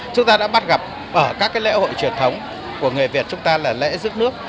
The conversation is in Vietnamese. chúng ta đã bắt gặp ở các lễ hội truyền thống của người việt chúng ta là lễ rước nước